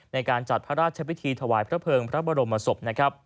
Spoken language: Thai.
ในการจัดพระราชพิธีถวายพระเภิงพระบรมศพ